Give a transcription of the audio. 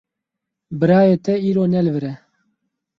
Birayê te îro ne li vir e.